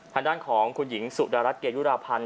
ทางด้านของคุณหญิงสุดารัฐเกยุราพันธ์